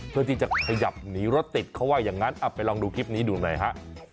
เพื่อที่จะขยับหนีรถติดเขาว่าอย่างนั้นไปลองดูคลิปนี้ดูหน่อยฮะ